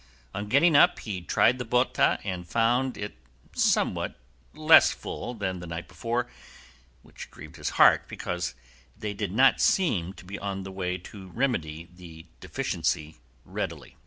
On getting up he tried the bota and found it somewhat less full than the night before, which grieved his heart because they did not seem to be on the way to remedy the deficiency readily.